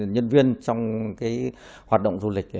nhân viên trong cái hoạt động du lịch